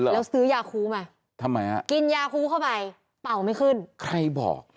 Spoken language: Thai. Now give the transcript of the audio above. แล้วซื้อยาคูมาทำไมฮะกินยาคูเข้าไปเป่าไม่ขึ้นใครบอก